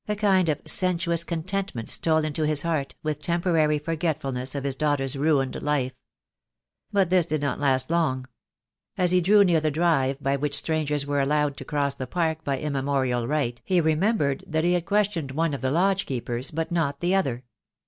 A kind of sensuous contentment stole into his heart, with temporary forgetfulness of his daughter's ruined life. But this did not last long. As he drew near the drive by which strangers were allowed to cross the park by immemorial right, he remembered that he had questioned one of the lodge keepers, but not the other.